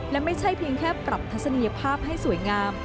และไม่ใช่เพียงแค่ปรับทัศนียภาพให้สวยงาม